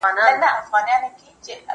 زه بايد د کتابتون کتابونه لوستل کړم!